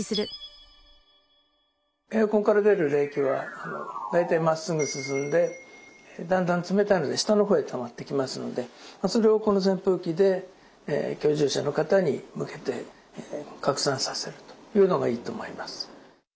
エアコンから出る冷気は大体まっすぐ進んでだんだん冷たいので下のほうへたまってきますのでそれをこの扇風機で居住者の方に向けて拡散させるというのがいいと思います。